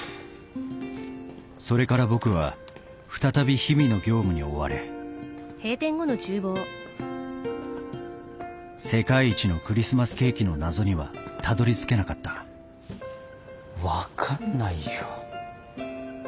それから僕は再び日々の業務に追われ世界一のクリスマスケーキの謎にはたどりつけなかった分かんないよ。